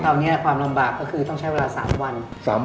ตอนนี้ความลำบากก็คือต้องใช้เวลา๓วัน